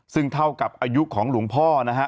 ซึ่งเท่ากับอายุของหลวงพ่อนะฮะ